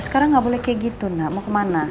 sekarang nggak boleh kayak gitu nga mau ke mana